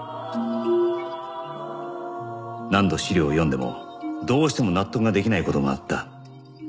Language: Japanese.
何度資料を読んでもどうしても納得ができない事があった